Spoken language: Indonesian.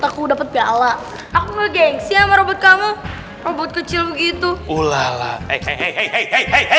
ibu dapat bela aku ngejengsi sama baru kamu robot kecil gitu ulala hey